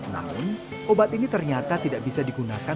namun obat ini ternyata tidak bisa digunakan